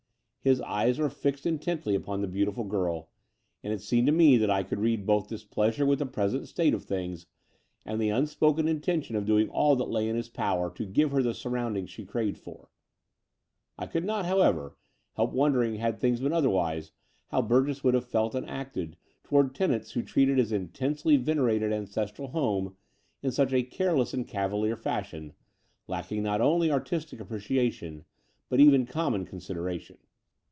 His eyes were fixed intently upon the beautiful girl: and it seemed to me that I could read both displeasure with the present state of things and the unspoken intention of doing all that lay in his power to give her the surroundings she craved for. I could not, however, help won dering, had things been otherwise, how Burgess would have felt and acted towards tenants who treated his intensely venerated ancestral home in such a careless and cavalier fashion, lacking not only artistic appreciation, but even common .sideration.